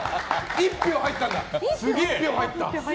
１票入ったんだ。